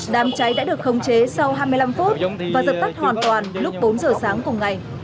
đám cháy đã được khống chế sau hai mươi năm phút và dập tắt hoàn toàn lúc bốn giờ sáng cùng ngày